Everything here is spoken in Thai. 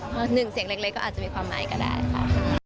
เพราะหนึ่งเสียงเล็กก็อาจจะมีความหมายก็ได้ค่ะ